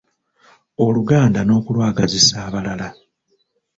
Oluganda n’okulwagazisa abalala